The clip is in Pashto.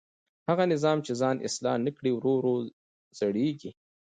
هغه نظام چې ځان اصلاح نه کړي ورو ورو زړېږي